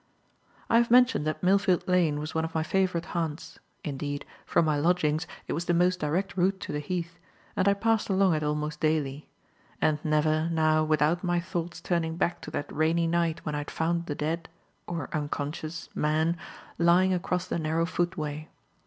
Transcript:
I have mentioned that Millfield Lane was one of my favourite haunts; indeed, from my lodgings, it was the most direct route to the Heath, and I passed along it almost daily; and never, now, without my thoughts turning back to that rainy night when I had found the dead or unconscious man lying across the narrow footway.